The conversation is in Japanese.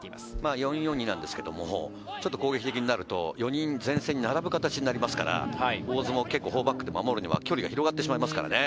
４−４−２なんですが、ちょっと攻撃的になると、４人前線に並ぶ形になりますから、大津も結構４バックで守るには距離が広がってしまいますからね。